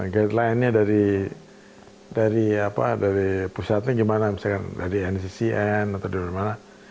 guideline nya dari pusatnya gimana misalkan dari nccn atau dari mana